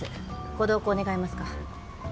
ご同行願えますか？